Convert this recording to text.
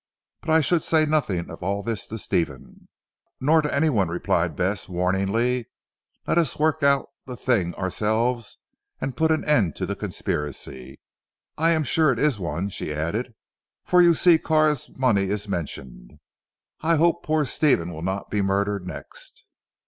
But I should say nothing of all this to Stephen." "Nor to anyone," replied Bess warmly, "let us work out the thing ourselves and put an end to the conspiracy. I am sure it is one," she added, "for you see Carr's money is mentioned. I hope poor Stephen will not be murdered next!"